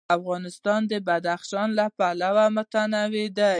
افغانستان د بدخشان له پلوه متنوع دی.